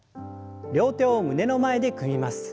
両手を胸の前で組みます。